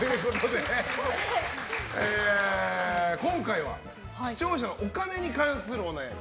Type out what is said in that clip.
今回は視聴者のお金に関するお悩み。